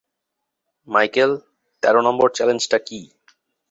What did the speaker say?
Michael তেরো number চ্যালেঞ্জটা কি?